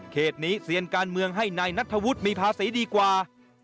เหตุนี้เซียนการเมืองให้นายนัทธวุฒิมีภาษีดีกว่า